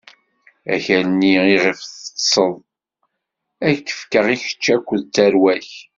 Akal-nni iɣef teṭṭṣeḍ, ad t-fkeɣ i kečč akked tarwa-k.